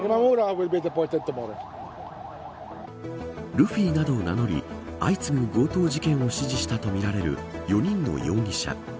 ルフィなどを名乗り相次ぐ強盗事件を指示したとみられる４人の容疑者。